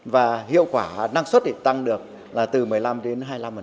và hiệu quả năng suất thì tăng được là từ một mươi năm đến hai mươi năm